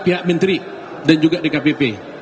pihak menteri dan juga dkpp